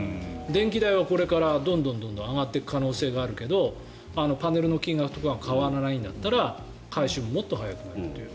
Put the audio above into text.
電気代はこれからどんどん上がっていく可能性はあるけどパネルの金額とかが変わらないんだったら回収ももっと早くなるという。